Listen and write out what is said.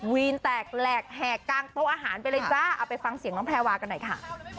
วีนแตกแหลกแหกกลางโต๊ะอาหารไปเลยจ้าเอาไปฟังเสียงน้องแพรวากันหน่อยค่ะ